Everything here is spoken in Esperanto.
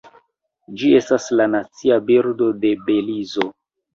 Ĝi estas la nacia birdo de Belizo.